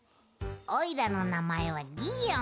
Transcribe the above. おいらのなまえはギーオン。